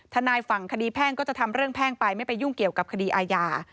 ทนายฝั่งคดีแพ่งก็จะทำเรื่องแพ่งไปไม่ไปยุ่งเกี่ยวกับคดีอาญา